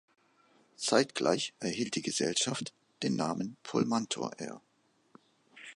Zeitgleich erhielt die Gesellschaft den Namen "Pullmantur Air".